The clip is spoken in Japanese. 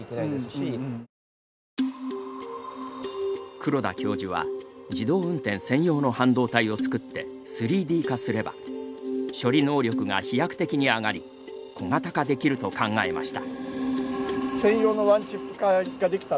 黒田教授は、自動運転専用の半導体を作って３Ｄ化すれば処理能力が飛躍的に上がり小型化できると考えました。